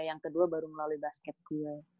yang kedua baru melalui basket kue